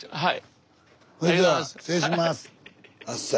はい？